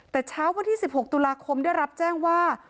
แต่เช้าวันที่๑๖ตุลาคมได้รับแจ้งว่า